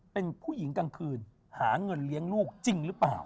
เป็นผู้หญิงกลางคืนหาเงินเลี้ยงลูกจริงหรือเปล่า